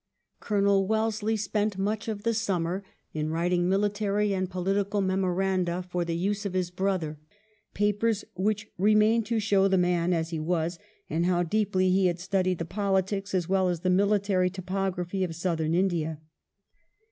Colonel Wellesley spent much of the summer in writing military and political memoranda for the use of his brother, papers which remain to show the man as he was, and how deeply he had studied the politics as well as the military topography of southern India.